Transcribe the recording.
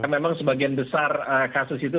memang sebagian besar kasus itu